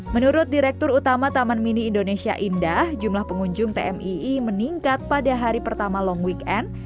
menurut direktur utama taman mini indonesia indah jumlah pengunjung tmii meningkat pada hari pertama long weekend